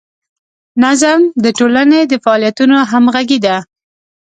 نظم د ټولنې د فعالیتونو همغږي ده.